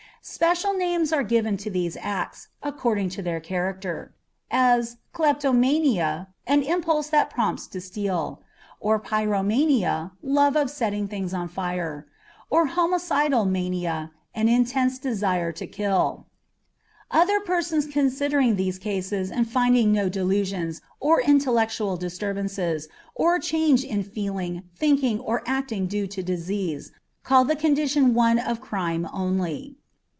Special names are given to these acts, according to their character, as "kleptomania, an impulse that prompts to steal"; or "pyromania, love of setting things on fire"; or "homicidal mania, an intense desire to kill." Other persons considering these cases and finding no delusions, or intellectual disturbances, or change in feeling, thinking, or acting due to disease, call the condition one of crime only.